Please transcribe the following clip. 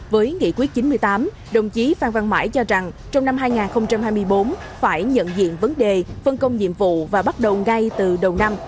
với nghị quyết chín mươi tám đồng chí phan văn mãi cho rằng trong năm hai nghìn hai mươi bốn phải nhận diện vấn đề phân công nhiệm vụ và bắt đầu ngay từ đầu năm